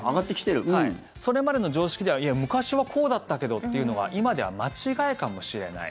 はい、それまでの常識ではいや、昔はこうだったけどっていうのは今では間違いかもしれない。